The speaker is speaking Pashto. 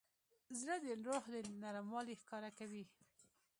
زړه د روح نرموالی ښکاره کوي.